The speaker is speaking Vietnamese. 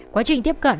quá trình tiếp cận